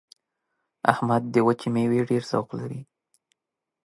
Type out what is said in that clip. احمد د وچې مېوې ډېر ذوق لري.